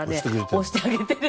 押してくれてる。